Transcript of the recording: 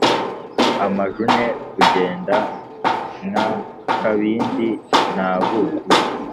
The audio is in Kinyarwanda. amajune kugenda nka kabindi na buki